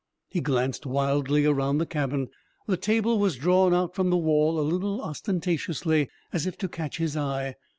He glanced wildly around the cabin. The table was drawn out from the wall a little ostentatiously, as if to catch his eye.